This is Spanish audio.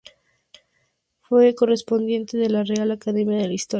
Fue correspondiente de la Real Academia de la Historia.